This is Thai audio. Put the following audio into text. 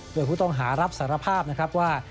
โดยผู้ต้องหารับสารภาพว่า